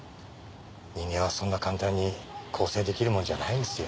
人間はそんな簡単に更生できるもんじゃないんですよ。